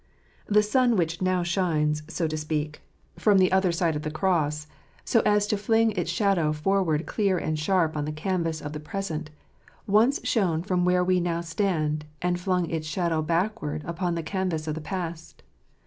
The sun which now shines, so to speak, from the other 20 %bt W tl side of the cross, so as to fling its shadow forward clear and sharp on the canvas of the present, once shone from where we now stand, and flung its shadow backward upon the canvas of the past.